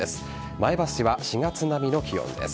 前橋は４月並みの気温です。